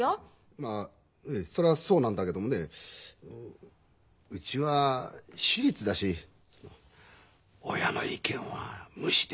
まあそらそうなんだけどもねうちは私立だし親の意見は無視できないんだよ。